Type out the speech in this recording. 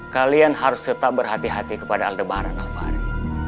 kalian harus tetap berhati hati kepada aldebaran alvari